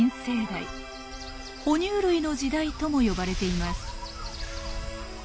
「ほ乳類の時代」とも呼ばれています。